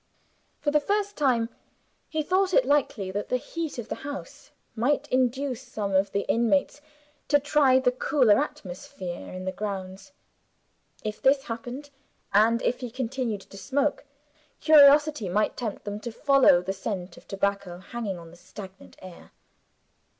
For the first time, he thought it likely that the heat in the house might induce some of the inmates to try the cooler atmosphere in the grounds. If this happened, and if he continued to smoke, curiosity might tempt them to follow the scent of tobacco hanging on the stagnant air.